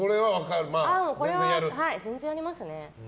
全然やりますね。